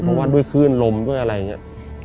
เพราะว่าด้วยคลื่นลมด้วยอะไรอย่างนี้